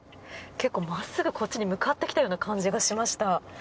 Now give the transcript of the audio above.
結構真っすぐこちらに向かってくる感じがしました。